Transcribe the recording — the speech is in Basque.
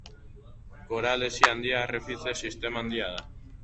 Koral Hesi Handia Arrezife-sistema handia da.